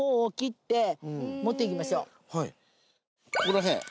ここら辺？